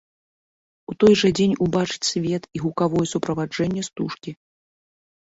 У той жа дзень убачыць свет і гукавое суправаджэнне стужкі.